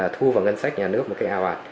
thu vào ngân sách nhà nước một cái ào ạt